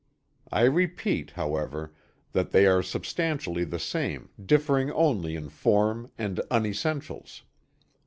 I repeat, however, that they are substantially the same, differing only in form and unessentials."